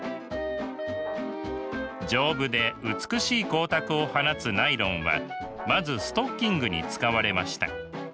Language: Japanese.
丈夫で美しい光沢を放つナイロンはまずストッキングに使われました。